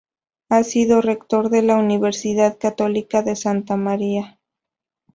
Ha sido rector de la Universidad Católica de Santa María.